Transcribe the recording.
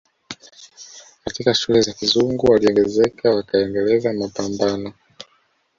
Katika shule za kizungu waliongezeka wakaendeleza Mapamabano